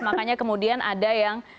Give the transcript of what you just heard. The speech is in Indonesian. makanya kemudian ada yang